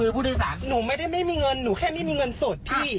พี่เขาไม่มารอกันหรอกพี่